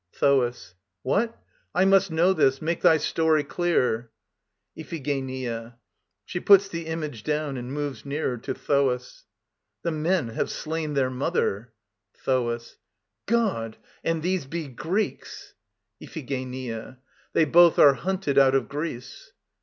THOAS. What? I must know this. Make thy story clear. IPHIGENIA. (she puts the image down and moves nearer to thoas.) The men have slain their mother. THOAS. God! And these Be Greeks! IPHIGENIA They both are hunted out of Greece.